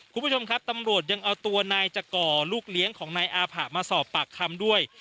คุณผู้ชมครับตำรวจยังเอาตัวนายจักร่อลูกเลี้ยงของนายอาผะมาสอบปากคำด้วย